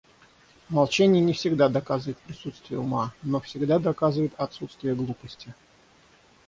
Молчание не всегда доказывает присутствие ума, но всегда доказывает отсутствие глупости.